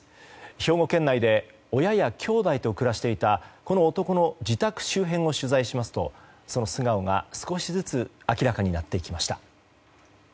兵庫県内で親や兄弟と暮らしていたこの男の自宅周辺を取材しますとその素顔が、少しずつ明らかになってきました。